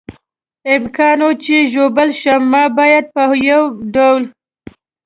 امکان و، چې ژوبل شم، ما باید په یو ډول.